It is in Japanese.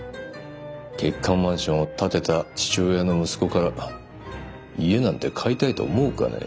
欠陥マンションを建てた父親の息子から家なんて買いたいと思うかね。